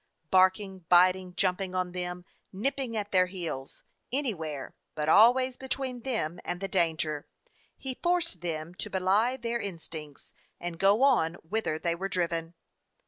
Bark ing, biting, jumping on them, nipping at their heels, anywhere, but always between them and the danger, he forced them to belie their in stincts and go on whither they were driven.